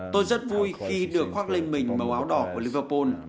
tôi rất vui khi được khoác lên mình màu áo đỏ của liverpol